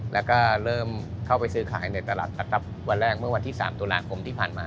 แล้วก็เริ่มเข้าไปซื้อขายในตลาดตะกั๊บวันแรกเมื่อวันที่๓ตุลาคมที่ผ่านมา